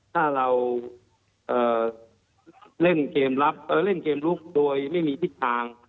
ถ้าเราเล่นเกมรับเล่นเกมลุกโดยไม่มีทิศทาง